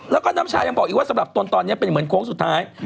แล้วก็น้ำชายังบอกอีกว่าสำหรับตนตอนนี้เป็นเหมือนโค้งสุดท้าย